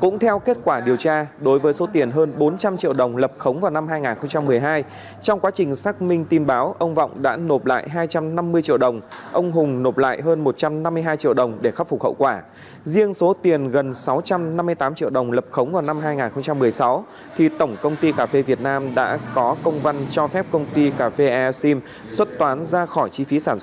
cũng theo kết quả điều tra đối với số tiền hơn bốn trăm linh triệu đồng lập khống vào năm hai nghìn một mươi chín